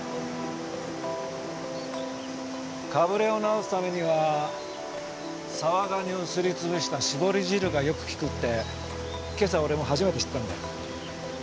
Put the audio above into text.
かぶれを治すためにはサワガニをすりつぶしたしぼり汁がよく効くって今朝俺も初めて知ったんだよ。